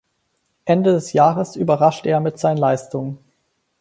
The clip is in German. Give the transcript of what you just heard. Ende des Jahres überraschte er mit seinen Leistungen.